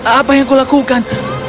apa yang aku lakukan